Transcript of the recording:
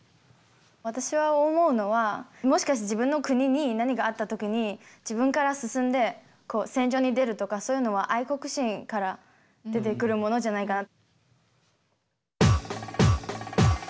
私が思うのはもしかして自分の国に何かあった時に自分から進んで戦場に出るとかそういうのは愛国心から出てくるものじゃないかな。